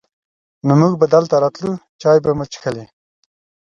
نو مونږ به دلته راتلو، چای به مو چښلې.